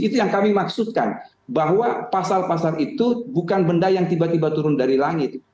itu yang kami maksudkan bahwa pasal pasal itu bukan benda yang tiba tiba turun dari langit